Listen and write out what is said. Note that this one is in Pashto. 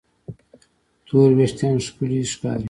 تور وېښتيان ښکلي ښکاري.